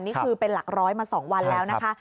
นี่คือเป็นหลักร้อยมา๒วันแล้วนะคะ